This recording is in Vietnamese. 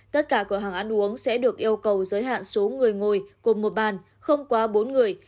tất cả cửa hàng ăn uống sẽ được yêu cầu giới hạn số người ngồi cùng một bàn không quá bốn người